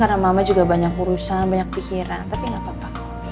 karena mama juga banyak urusan banyak pikiran tapi gapapa